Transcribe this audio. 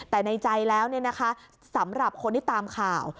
แต่ในใจแล้วเนี่ยนะคะสำหรับคนที่ตามข่าว